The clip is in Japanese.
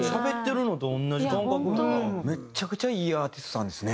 めちゃくちゃいいアーティストさんですね。